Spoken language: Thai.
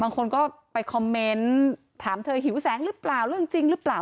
บางคนก็ไปคอมเมนต์ถามเธอหิวแสงหรือเปล่าเรื่องจริงหรือเปล่า